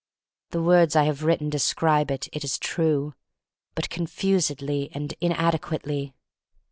The words I have written describe it, it is true, — but confusedly and inade quately.